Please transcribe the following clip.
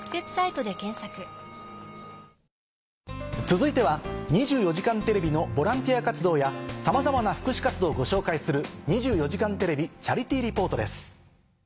続いては『２４時間テレビ』のボランティア活動やさまざまな福祉活動をご紹介する。